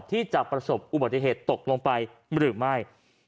ที่จะประสบอุบัติเหตุตกลงไปหรือไม่